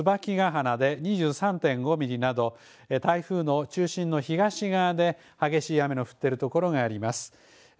鼻で２３．５ミリなど、台風の中心の東側で激しい雨の降っている所があります。